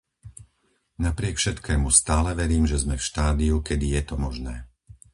Napriek všetkému stále verím, že sme v štádiu, kedy je to možné.